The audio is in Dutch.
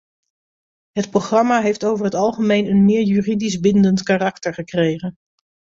Het programma heeft over het algemeen een meer juridisch bindend karakter gekregen.